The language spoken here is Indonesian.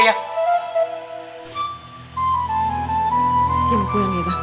ya udah pulang ya bang